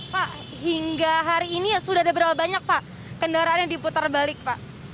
pak hingga hari ini sudah ada berapa banyak pak kendaraan yang diputar balik pak